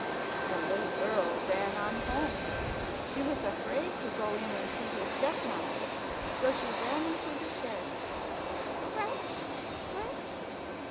The little girl ran on home. She was afraid to go in and see her stepmother, so she ran into the shed. Scratch, scratch!